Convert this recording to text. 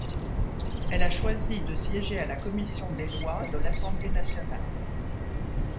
Elle a choisi de siéger à la Commission des lois de l'Assemblée nationale.